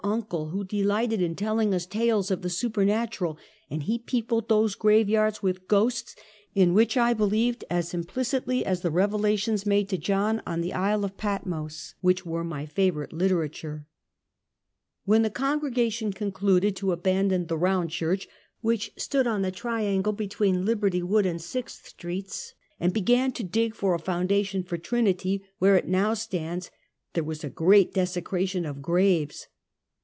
uncle who delighted in telling us tales of tlie super natural, and lie peopled these graveyards with ghosts, in which I believed as implicitly as in the Revelations made to John on the Isle of Patmos, whicli were my favorite literature. When the congregation concluded to abandon the "Eound Church," which stood on the triangle between Liberty, Wood and Sixth streets, and began to dig for a foundation for Trinity, where it now stands, there was great desecration of graves.